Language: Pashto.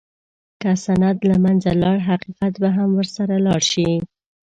که سند له منځه لاړ، حقیقت به هم ورسره لاړ شي.